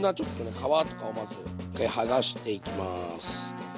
皮とかをまず一回剥がしていきます。